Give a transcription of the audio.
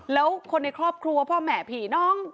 แล้วคนในครอบครัวพ่อแม่ผีน้อง